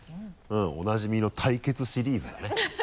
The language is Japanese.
おなじみの対決シリーズだね。